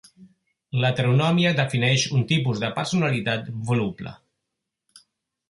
L'heteronomia defineix un tipus de personalitat voluble.